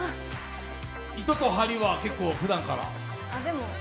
糸と針は結構、普段から？